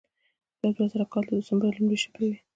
دا د دوه زره کال د دسمبر لومړۍ شپې وې.